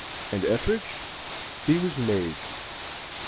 And Ethridge? He was made.